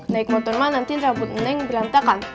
naik motor mak nanti rambut neneng berantakan